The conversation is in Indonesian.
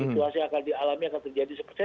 situasi di alamnya akan terjadi seperti ini